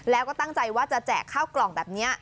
แล้วก็ตั้งใจว่าจะแจกข้าวกล่องแบบนี้